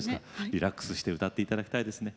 リラックスして歌っていただきたいですね。